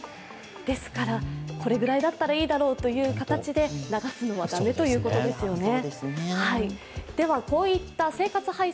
ですから、これぐらいだったらいいだろうという形で流すのはだめということですよね。